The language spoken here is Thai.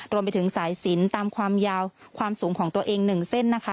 รวมไปถึงสายสินตามความยาวความสูงของตัวเอง๑เส้นนะคะ